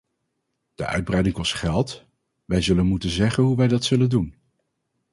De uitbreiding kost geld, wij zullen moeten zeggen hoe wij dat zullen doen.